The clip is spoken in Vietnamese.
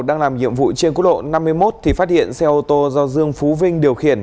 đang làm nhiệm vụ trên quốc lộ năm mươi một thì phát hiện xe ô tô do dương phú vinh điều khiển